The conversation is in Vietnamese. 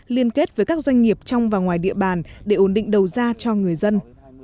liên kết với các doanh nghiệp trong và ngoài địa bàn để ổn định đầu ra cho người dân